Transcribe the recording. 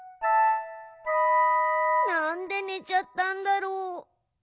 なんでねちゃったんだろう？